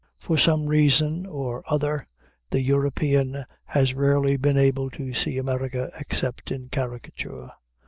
For some reason or other, the European has rarely been able to see America except in caricature.